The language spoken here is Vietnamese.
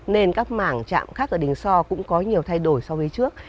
nên các mảng chạm khác ở đình so cũng có nhiều thay đổi so với trước